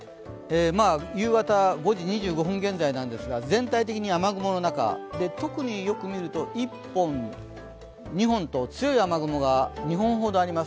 夕方５時２５分現在なんですが全体的に雨雲の中、特によく見ると１本、２本と強い雨雲が２本ほどあります。